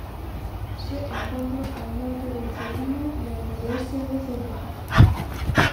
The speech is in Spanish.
Se encuentra al norte del Cervino y al noroeste de Zermatt.